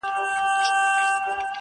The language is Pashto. له شاتو نه، دا له شرابو نه شکَري غواړي